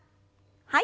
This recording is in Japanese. はい。